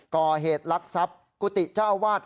กรเหตุลักษณ์ทรัพย์กุฏติเจ้าอวาส